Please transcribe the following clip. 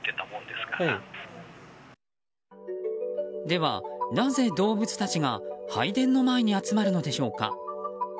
ではなぜ動物たちが拝殿の前に集まるのでしょうか。